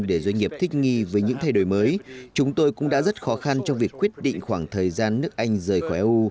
để doanh nghiệp thích nghi với những thay đổi mới chúng tôi cũng đã rất khó khăn trong việc quyết định khoảng thời gian nước anh rời khỏi eu